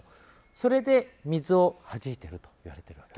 それで水をはじいているといわれているわけ。